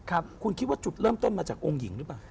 คุณคิดว่าจุดเริ่มต้นมาจากองค์หญิงหรือเปล่า